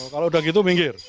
kalau udah gitu minggir